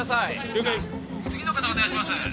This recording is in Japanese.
了解次の方お願いします